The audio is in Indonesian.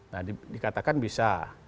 nah dikatakan bisa